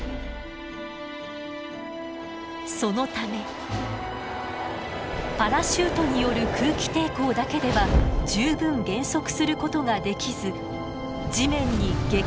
そのためパラシュートによる空気抵抗だけでは十分減速することができず地面に激突してしまうのです。